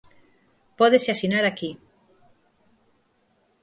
Pódese asinar aquí.